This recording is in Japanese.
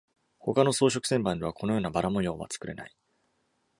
他の装飾旋盤ではこのような「バラ」模様は作れない。